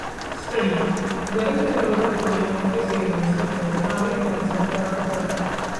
study: गर्भनिरोधक गोलियों के सेवन से घटता है कैंसर का खतरा...